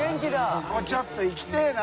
ここちょっと行きてぇな。